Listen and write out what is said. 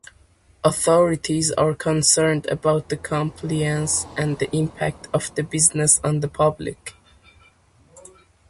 Authorities are concerned about compliance and the impact of the business on the public.